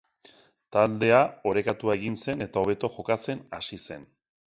Taldea orekatu egin zen eta hobeto jokatzen hasi zen.